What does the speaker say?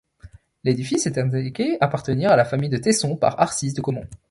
L’édifice est indiqué appartenir à la famille de Tesson par Arcisse de Caumont.